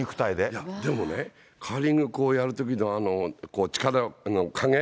いや、でもね、カーリング、こうやるときの力の加減？